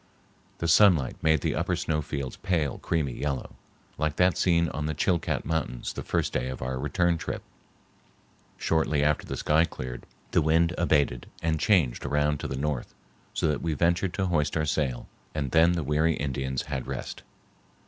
The sunlight made the upper snow fields pale creamy yellow, like that seen on the Chilcat mountains the first day of our return trip. Shortly after the sky cleared, the wind abated and changed around to the north, so that we ventured to hoist our sail, and then the weary Indians had rest.